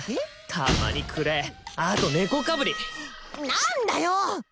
たまに暗えあと猫かぶり何だよ！